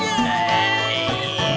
baiklah makasih ini